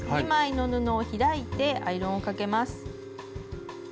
２枚の布を開いてアイロンをかけます。